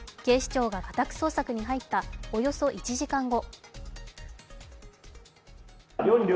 警視庁が家宅捜索に入った、およそ１時間後。